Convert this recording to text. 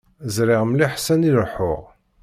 Ẓriɣ mliḥ sani leḥḥuɣ.